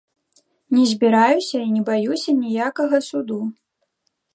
Не збіраюся і не баюся ніякага суду.